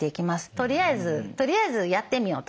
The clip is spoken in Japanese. とりあえずとりあえずやってみようと。